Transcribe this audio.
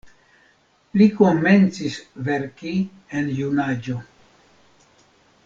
Li komencis verki en junaĝo.